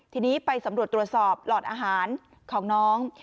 ทีนี้ไปสำรวจตรวจสอบหลอดอาหารของน้อง